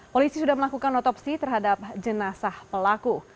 polisi sudah melakukan otopsi terhadap jenazah pelaku